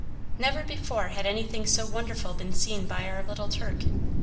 Never before had anything so wonderful been seen by our little Turk.